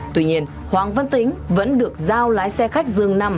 tuy nhiên hoàng văn tính vẫn được giao lái xe khách dường nằm